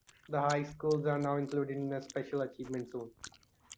The high schools are now included in a special Achievement Zone.